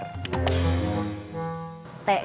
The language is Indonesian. sttb bukannya surat tanda tamat belajar